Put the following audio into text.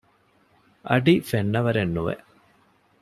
އަޑި ފެންނަވަރެއް ނުވެ